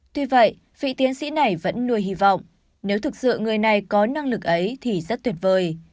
tuy vậy vị tiến sĩ này vẫn nuôi hy vọng nếu thực sự người này có năng lực ấy thì rất tuyệt vời